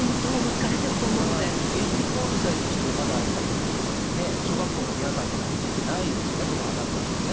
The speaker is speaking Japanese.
現実問題として、まだやっぱり、小学校の皆さんっていうのは打ててないですよね、子どもさんたちはね。